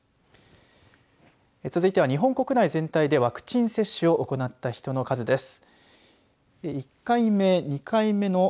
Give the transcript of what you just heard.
続いては、日本国内全体でワクチン接種を行った人の数です。